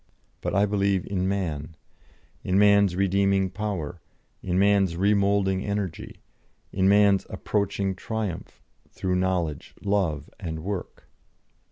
But I believe in Man. In man's redeeming power; in man's remoulding energy; in man's approaching triumph, through knowledge, love, and work."